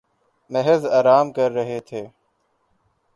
محض آرام کررہے تھے